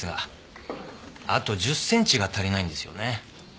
あと１０ｃｍが足りないんですよね。